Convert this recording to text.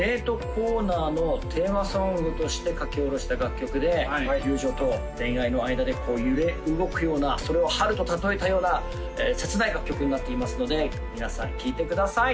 コーナーのテーマソングとして書き下ろした楽曲で友情と恋愛の間でこう揺れ動くようなそれを春と例えたような切ない楽曲になっていますので皆さん聴いてください